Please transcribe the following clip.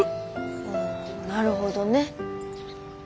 ほうなるほどね。